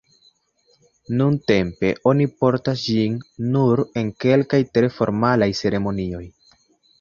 Nuntempe oni portas ĝin nur en kelkaj tre formalaj ceremonioj.